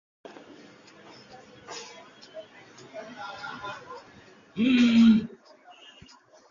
তখন আকাদেমির প্রধান ছিলেন ক্সেনোক্রাতেস।